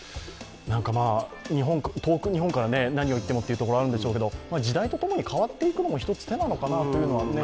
日本から何を言ってもということがあるんでしょうけど、時代とともに変わっていくのも一つ手なのかなと思うんですけどね。